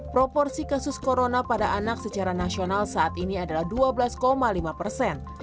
proporsi kasus corona pada anak secara nasional saat ini adalah dua belas lima persen